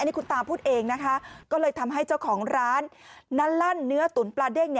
นี่คุณตาพูดเองนะคะก็เลยทำให้เจ้าของร้านนั้นลั่นเนื้อตุ๋นปลาเด้ง